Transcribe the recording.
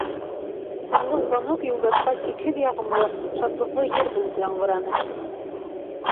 Һуңғы звонок Юлдашҡа сикһеҙ яғымлы, шатлыҡлы йыр булып яңғыраны.